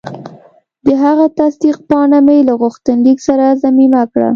د هغه تصدیق پاڼه مې له غوښتنلیک سره ضمیمه کړه.